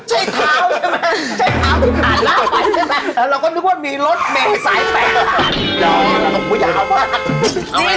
ใช้เท้าใช่ไหมใช้เท้ามันผ่านมาไปใช่ไหม